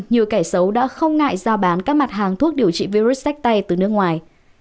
nhiều kẻ xấu đã không ngại giao bán các mặt hàng thuốc điều trị virus sách tay từ nước ngoài